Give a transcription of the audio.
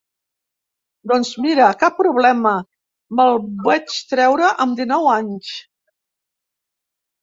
Doncs mira cap problema, me'l vaig treure amb dinou anys.